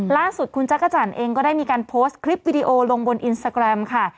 ล่าสุดคุณจักรจันทร์เองก็ได้มีการโพสต์คลิปวิดีโอลงบนอินสตาแกรมค่ะ